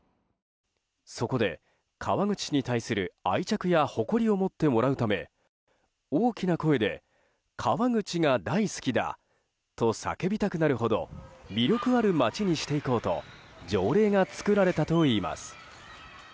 そこで川口市に対する愛着や誇りを持ってもらうため大きな声で川口が大好きだと叫びたくなるほど魅力ある街にしていこうと条例が作られたといいます。